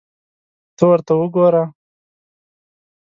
ته ورته وګوره !